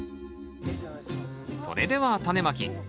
それではタネまき。